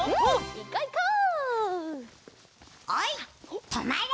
・おいとまれ！